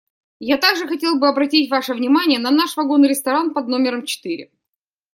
Я также хотел бы обратить ваше внимание на наш вагон-ресторан под номером четыре.